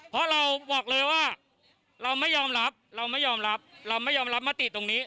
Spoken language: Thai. เพราะเราบอกเลยว่าเราไม่ยอมรับเราไม่ยอมรับเราไม่ยอมรับมติตรงนี้